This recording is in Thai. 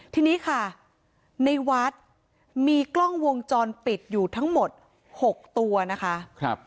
ทีนี้ค่ะในวัดมีกล้องวงจรปิดอยู่ทั้งหมด๖ตัวนะคะ